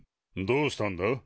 どうしたんだ？